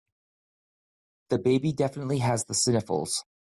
The baby definitely has the sniffles.